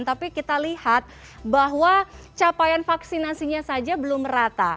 tapi kita lihat bahwa capaian vaksinasinya saja belum merata